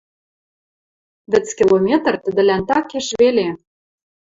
Вӹц километр тӹдӹлӓн такеш веле.